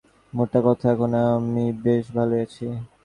মোট কথা, এখন আমি বেশ ভালই আছি।